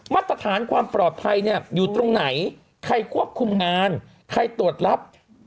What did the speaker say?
มาตรฐานความปลอดภัยเนี่ยอยู่ตรงไหนใครควบคุมงานใครตรวจรับ